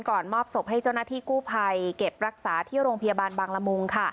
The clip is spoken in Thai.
มอบศพให้เจ้าหน้าที่กู้ภัยเก็บรักษาที่โรงพยาบาลบางละมุง